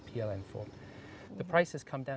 harganya turun secara secara secara